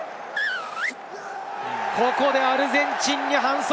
ここでアルゼンチンに反則！